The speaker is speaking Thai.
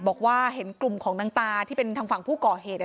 บอกว่าเห็นกลุ่มของนางตาที่เป็นทางฝั่งผู้ก่อเหตุ